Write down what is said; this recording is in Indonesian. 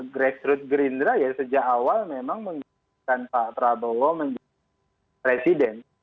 grassroot gerindra ya sejak awal memang menginginkan pak prabowo menjadi presiden